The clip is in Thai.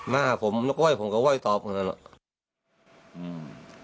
มาผมนึกไว้ผมก็ไว้ตอบเหมือนกันอะ